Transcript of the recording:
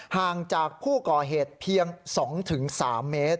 ห่างจากผู้ก่อเหตุเพียง๒๓เมตร